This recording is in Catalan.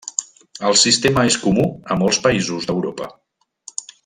El sistema és comú a molts països d'Europa.